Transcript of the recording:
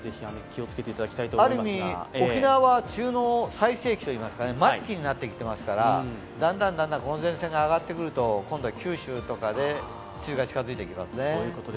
ある意味、沖縄は梅雨の最盛期といいますか末期になってきていますから、だんだんこの前線が上がってくると今度は九州とかで梅雨が近づいてきますね。